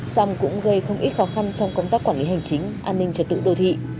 xăm cũng gây không ít khó khăn trong công tác quản lý hành chính an ninh chặt tự đồ thị